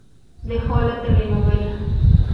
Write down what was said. Dejó la telenovela.